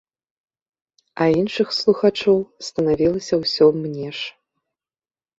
А іншых слухачоў станавілася ўсё мнеш.